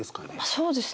そうですね。